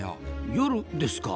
夜ですか？